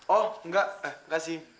oh enggak eh makasih